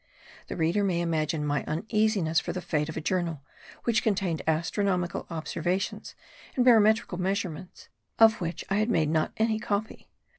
The reader may imagine my uneasiness for the fate of a journal which contained astronomical observations and barometrical measurements, of which I had not made any copy.